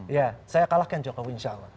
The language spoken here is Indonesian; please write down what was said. ya saya kalahkan jokowi insya allah